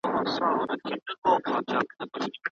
که موږ ټولنه وپېژنو نو ژوند به ښه سي.